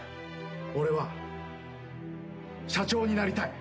俺は社長になりたい。